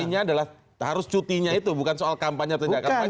poinnya adalah harus cutinya itu bukan soal kampanye atau tidak kampanye